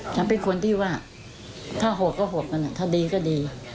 ฉันเป็นคนที่ว่าถ้าโหดก็โหดมันถ้าดีก็ดี